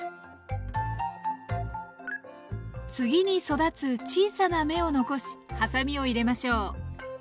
次に育つ小さな芽を残しはさみを入れましょう。